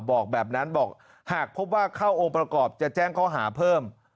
บอกแบบนั้นบอกหากพบว่าเข้าองค์ประกอบจะแจ้งข้อหาเพิ่ม